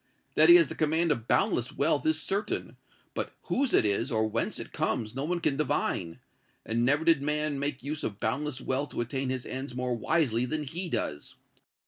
That he has the command of boundless wealth is certain; but whose it is, or whence it comes, no one can divine; and never did man make use of boundless wealth to attain his ends more wisely than he does!